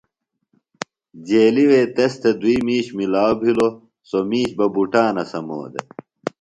جیلیۡ وے تس تھےۡ دُوئی مِیش ملاؤ بِھلوۡ سوۡ مِیش بہ بُٹانہ سمو دےۡ۔